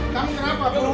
kami kerap pak